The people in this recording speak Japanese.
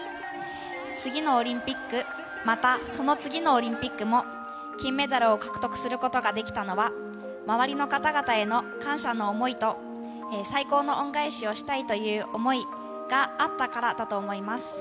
次のオリンピック、またその次のオリンピックも、金メダルを獲得することができたのは、周りの方々への感謝の想いと、最高の恩返しをしたいという想いがあったからだと思います。